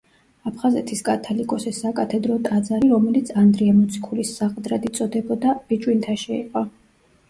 აფხაზეთის კათალიკოსის საკათედრო ტაძარი, რომელიც ანდრია მოციქულის საყდრად იწოდებოდა, ბიჭვინთაში იყო.